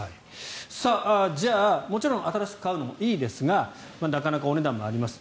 じゃあ、もちろん新しく買うのもいいですがなかなかお値段もあります。